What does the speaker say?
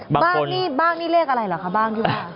บ้างนี่เลขอะไรหรอคะบ้างอยู่บ้าง